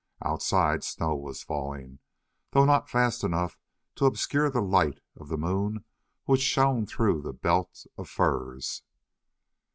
Outside snow was falling, though not fast enough to obscure the light of the moon which shone through the belt of firs.